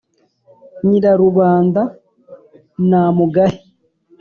nyirarubanda na mugahe.